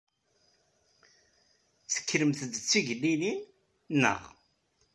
Tnekremt-d d tigellilin, naɣ?